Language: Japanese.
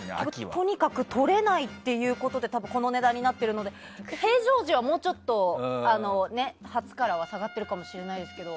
とにかくとれないということでこの値段になっているので平常時はもうちょっと初からは下がっているかもしれないですけど